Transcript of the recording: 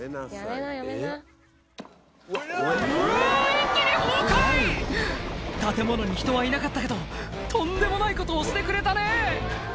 一気に崩壊建物に人はいなかったけどとんでもないことをしてくれたね